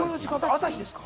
朝日ですか？